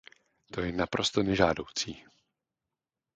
To je naprosto nežádoucí.